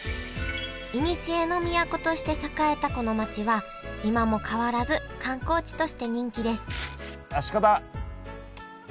いにしえの都として栄えたこの町は今も変わらず観光地として人気ですあっ鹿だ！